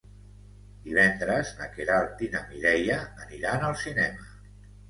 Divendres na Queralt i na Mireia aniran al cinema.